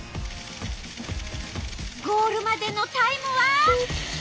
ゴールまでのタイムは。